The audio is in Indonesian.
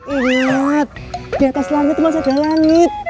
inget diatas langit masih ada langit